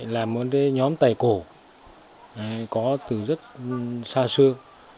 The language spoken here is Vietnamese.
là một nhóm tài cổ có từ rất xa xưa